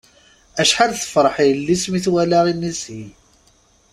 Acḥal tefṛeḥ yelli-s mi twala inisi.